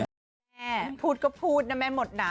แม่พูดก็พูดนะแม่หมดหนา